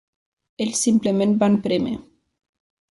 Ells simplement van prémer.